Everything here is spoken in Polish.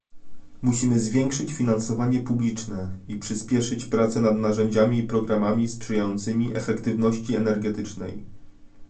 Musimy zwiększyć finansowanie publiczne i przyspieszyć prace nad narzędziami i programami sprzyjającymi efektywności energetycznej